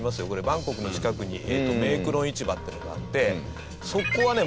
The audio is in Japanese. バンコクの近くにメークローン市場っていうのがあってそこはね